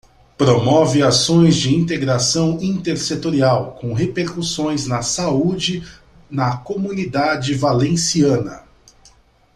Promove ações de integração intersetorial com repercussões na saúde na Comunidade Valenciana.